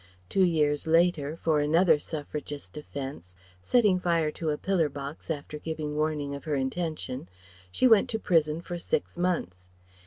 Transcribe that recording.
Two years later, for another Suffragist offence (setting fire to a pillar box after giving warning of her intention) she went to prison for six months.